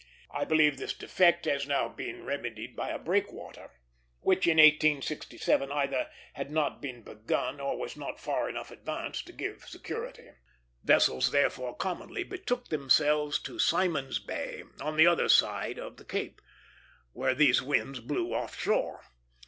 I believe this defect has now been remedied by a breakwater, which in 1867 either had not been begun or was not far enough advanced to give security. Vessels therefore commonly betook themselves to Simon's Bay, on the other side of the Cape, where these winds blew off shore.